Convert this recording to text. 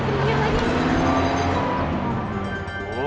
nyiih mau asal asal nangkep lagi